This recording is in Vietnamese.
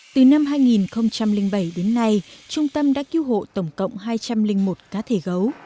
từ năm hai nghìn bảy đến nay trung tâm đã cứu hộ tổng cộng hai trăm linh một cá thể gấu